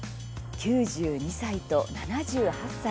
９２歳と７８歳。